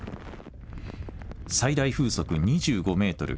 最大風速２５メートル